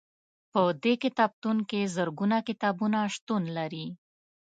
په دې کتابتون کې زرګونه کتابونه شتون لري.